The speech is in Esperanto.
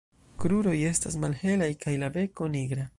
Kruroj estas malhelaj kaj la beko nigra.